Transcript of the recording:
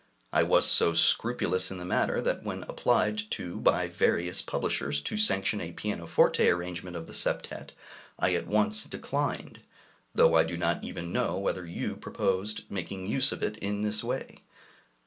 I was so scrupulous in the matter, that when applied to by various publishers to sanction a pianoforte arrangement of the septet, I at once declined, though I do not even know whether you proposed making use of it in this way.